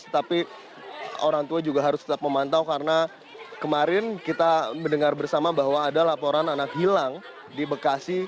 tetapi orang tua juga harus tetap memantau karena kemarin kita mendengar bersama bahwa ada laporan anak hilang di bekasi